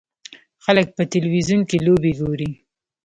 خلک په تلویزیون کې لوبې ګوري.